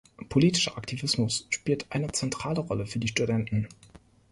Politischer Aktivismus spielt eine zentrale Rolle für die Studenten.